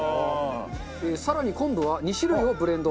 更に昆布は２種類をブレンド。